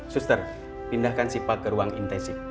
suster pindahkan sipa ke ruang intensif